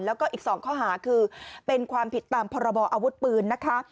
แล้วก็อีก๒ข้อหาคือเป็นความผิดตามพรบออาวุธปืนนะคะ